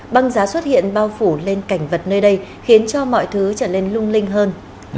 băng giá xuất hiện bao phủ lên cảnh vật nơi đây khiến cho mọi thứ trở nên lung linh hơn